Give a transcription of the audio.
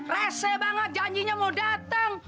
reseh banget janjinya mau datang